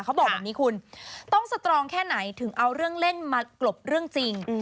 เขาบอกแบบนี้คุณต้องสตรองแค่ไหนถึงเอาเรื่องเล่นมากลบเรื่องจริง